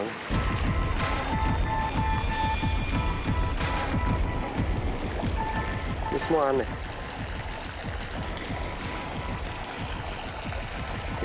ini semua aneh